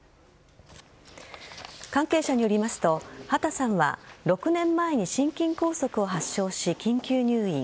関係者によりますと畑さんは６年前に心筋梗塞を発症し緊急入院。